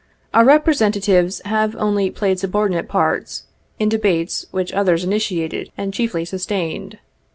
Our Representatives have only played subordinate parts, in debates which others initiated and chiefly sustained.